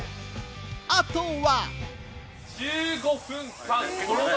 あとは。